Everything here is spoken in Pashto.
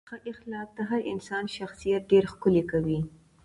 ښه اخلاق د هر انسان شخصیت ډېر ښکلی کوي.